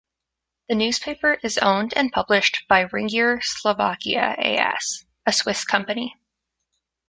The newspaper is owned and published by Ringier Slovakia a.s., a Swiss company.